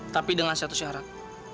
tapi dengan satu syarat